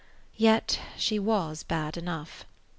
Yet she was bad enough.